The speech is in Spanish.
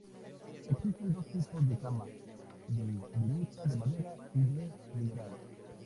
Existen dos tipos de camas: de viruta de madera y de mineral.